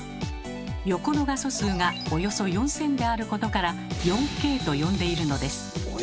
横の画素数がおよそ４，０００であることから「４Ｋ」と呼んでいるのです。